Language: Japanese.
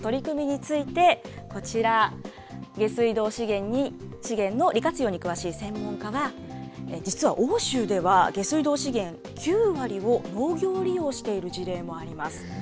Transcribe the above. こうした各地の取り組みについて、こちら、下水道資源の利活用に詳しい専門家は、実は欧州では下水道資源９割を農業利用している事例もあります。